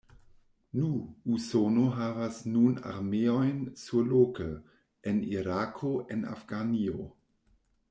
Nu, Usono havas nun armeojn surloke, en Irako, en Afganio.